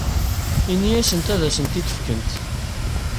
Ini-asent ad asen-tent-id-fkent.